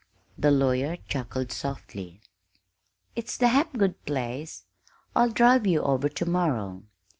The lawyer chuckled softly. "It's the Hapgood place. I'll drive you over to morrow.